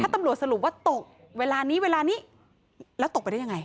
ตำรวจสรุปว่าตกเวลานี้เวลานี้แล้วตกไปได้ยังไง